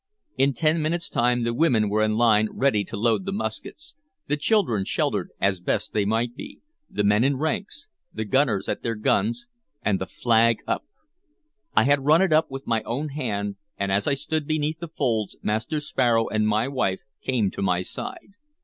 In ten minutes' time the women were in line ready to load the muskets, the children sheltered as best they might be, the men in ranks, the gunners at their guns, and the flag up. I had run it up with my own hand, and as I stood beneath the folds Master Sparrow and my wife came to my side.